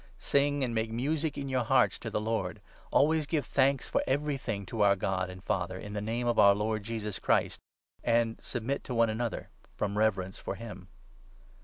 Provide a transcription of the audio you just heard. Sing and make music in your hearts to 19 the Lord. Always give thanks for everything to our God and 20 Father, in the Name of our Lord Jesus. Christ ; and submit to 21 one another from reverence for him.